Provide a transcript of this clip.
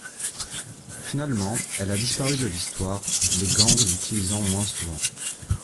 Finalement, elle a disparu de l'histoire, les gangs l'utilisant moins souvent.